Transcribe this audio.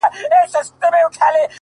چاته د دار خبري ډيري ښې دي ـ